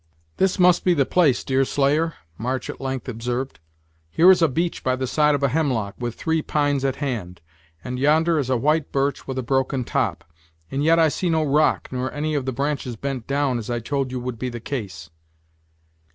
"This must be the place, Deerslayer," March at length observed; "here is a beech by the side of a hemlock, with three pines at hand, and yonder is a white birch with a broken top; and yet I see no rock, nor any of the branches bent down, as I told you would be the case."